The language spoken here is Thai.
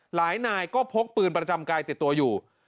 นายก็พกปืนประจำกายติดตัวอยู่